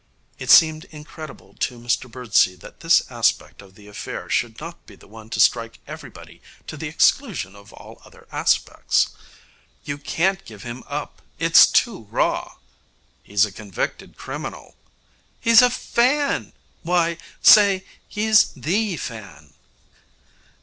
It seemed incredible to Mr Birdsey that this aspect of the affair should not be the one to strike everybody to the exclusion of all other aspects. 'You can't give him up. It's too raw.' 'He's a convicted criminal.' 'He's a fan. Why, say, he's the fan.'